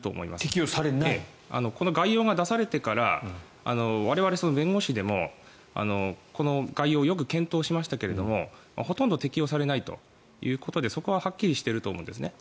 この概要が出されてから我々弁護士でもこの概要をよく検討しましたがほとんど適用されないということでそこははっきりしていると思うんですね。